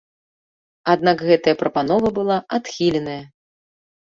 Аднак гэтая прапанова была адхіленая.